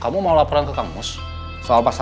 pindah ke ruang produksi